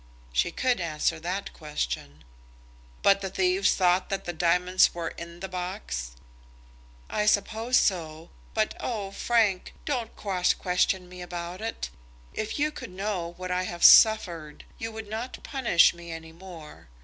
She could answer that question. "But the thieves thought that the diamonds were in the box?" "I suppose so. But, oh, Frank! don't cross question me about it. If you could know what I have suffered, you would not punish me any more.